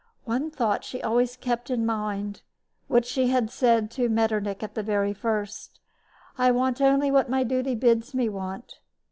One thought she always kept in mind what she had said to Metternich at the very first: "I want only what my duty bids me want."